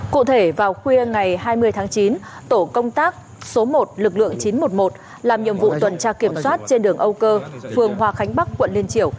cụ thể vào khuya ngày hai mươi tháng chín tổ công tác số một lực lượng chín trăm một mươi một làm nhiệm vụ tuần tra kiểm soát trên đường âu cơ phường hoa khánh bắc quận liên triểu